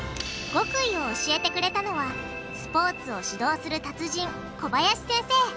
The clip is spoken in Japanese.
極意を教えてくれたのはスポーツを指導する達人小林先生。